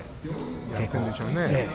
やっているんでしょうね。